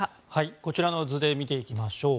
こちらの図で見ていきましょう。